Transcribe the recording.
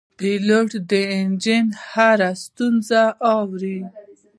پیلوټ د انجن هره ستونزه اوري.